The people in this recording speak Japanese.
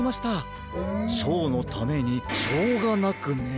ショーのためにショーがなくね。